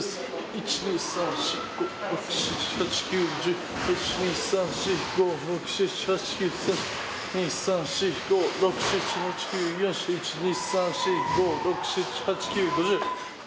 １２３４５６７８９１０１２３４５６７８９３０２３４５６７８９４０１２３４５６７８９５０